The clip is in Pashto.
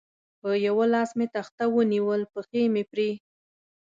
په یوه لاس مې تخته ونیول، پښې مې پرې.